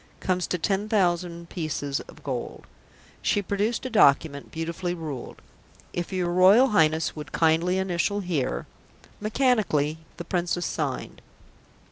comes to ten thousand pieces of gold." She produced a document, beautifully ruled. "If your Royal Highness would kindly initial here " Mechanically the Princess signed.